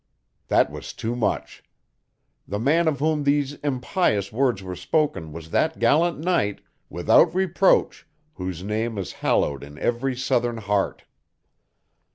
That was too much! The man of whom these impious words were spoken was that gallant knight, without reproach, whose name is hallowed in every Southern heart.